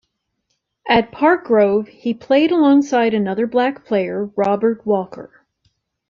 At Parkgrove he played alongside another black player, Robert Walker.